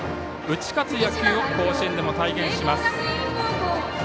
打ち勝つ野球を甲子園でも体現します。